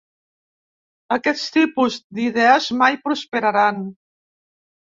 Aquest tipus d’idees mai prosperaran.